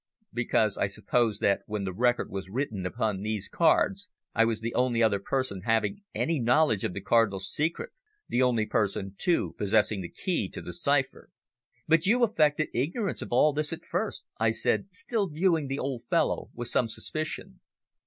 "Because I suppose that when the record was written upon these cards I was the only other person having any knowledge of the Cardinal's secret the only person, too, possessing the key to the cipher." "But you affected ignorance of all this at first," I said, still viewing the old fellow with some suspicion.